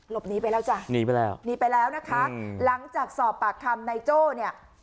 หนีไปแล้วจ้ะหนีไปแล้วหนีไปแล้วนะคะหลังจากสอบปากคำนายโจ้เนี่ย